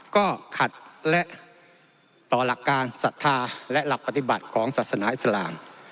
ก็ขัดและต่อหลักการศรัทธาและหลักปฏิบัติของศาสนาอิสลาม